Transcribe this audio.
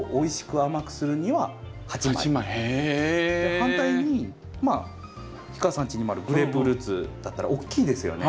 反対に氷川さんちにもあるグレープフルーツだったら大きいですよね。